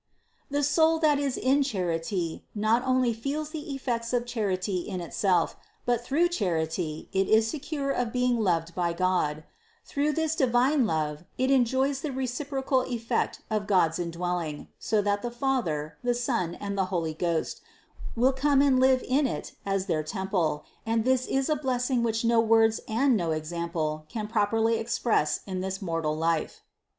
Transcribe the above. The soul that is in charity not only feels the effects of charity in itself, but through charity it is secure of being loved by God; through this divine love, it enjoys the reciprocal effect of God's indwelling, so that the Father, the Son and the Holy Ghost will come and live in it as their temple, and this is a blessing which no words and no example can properly express in this mortal life.